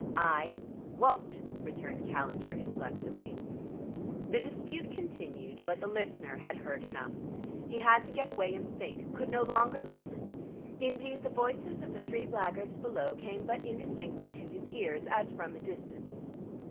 "I won't," returned Calendar inflexibly. The dispute continued, but the listener had heard enough. He had to get away and think, could no longer listen; indeed, the voices of the three blackguards below came but indistinctly to his ears, as if from a distance.